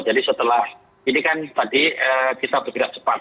setelah ini kan tadi kita bergerak cepat